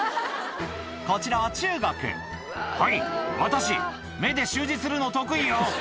こちらは中国「はい私目で習字するの得意よ」